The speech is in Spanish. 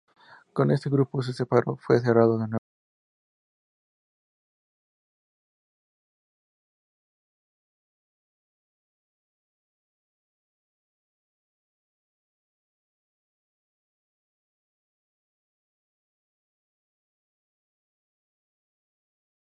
Aunque no estuvo afiliado a ningún partido político, defendió siempre las ideas conservadoras.